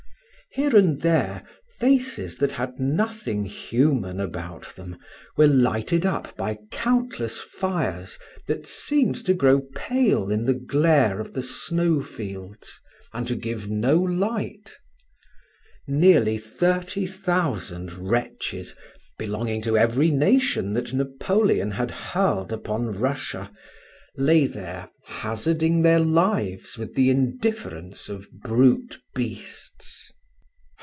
Here and there faces that had nothing human about them were lighted up by countless fires that seemed to grow pale in the glare of the snowfields, and to give no light. Nearly thirty thousand wretches, belonging to every nation that Napoleon had hurled upon Russia, lay there hazarding their lives with the indifference of brute beasts.